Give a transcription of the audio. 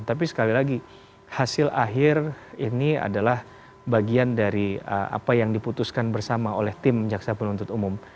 tapi sekali lagi hasil akhir ini adalah bagian dari apa yang diputuskan bersama oleh tim jaksa penuntut umum